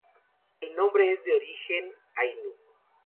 El nombre es de origen Ainu.